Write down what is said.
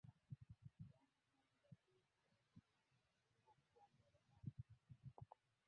Twamugamba abeeko w'akoma asobole okuwangaala n'abantu.